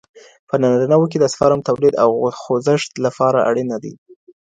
په نارینه وو کې د سپرم تولید او خوځښت لپاره اړین دی.